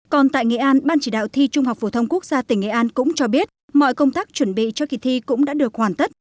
còn tại nghệ an ban chỉ đạo thi trung học phổ thông quốc gia tỉnh nghệ an cũng cho biết mọi công tác chuẩn bị cho kỳ thi cũng đã được hoàn tất